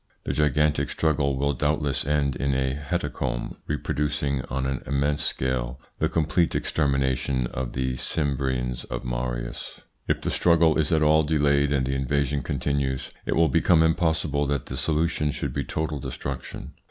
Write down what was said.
This gigantic struggle will doubtless end in a hecatomb reproducing on an immense scale the complete extermination of the Cimbrians by Marius. If the struggle is at all delayed and the invasion continues, it will become impossible that the solution should be total destruc tion.